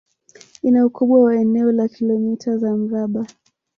Ina ukubwa wa eneo la kilomita za mraba